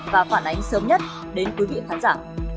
và phản ánh sớm nhất đến quý vị khán giả